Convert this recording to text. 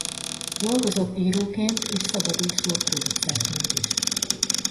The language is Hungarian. Dolgozott íróként és szabadúszó producerként is.